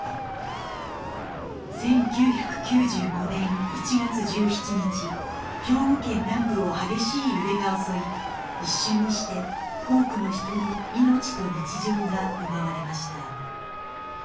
１９９５年１月１７日、兵庫県南部を激しい揺れが襲い、一瞬にして多くの人の命と日常が奪われました。